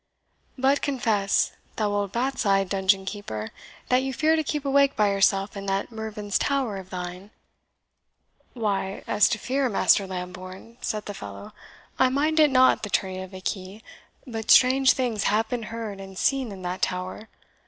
But confess, thou old bat's eyed dungeon keeper, that you fear to keep awake by yourself in that Mervyn's Tower of thine?" "Why, as to fear, Master Lambourne," said the fellow, "I mind it not the turning of a key; but strange things have been heard and seen in that tower.